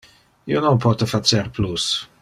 Io non pote facer plus.